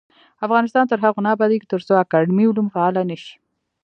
افغانستان تر هغو نه ابادیږي، ترڅو اکاډمي علوم فعاله نشي.